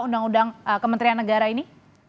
undang undang kementerian negara ini